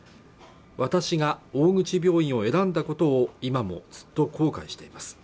私が大口病院を選んだことを今もずっと後悔してます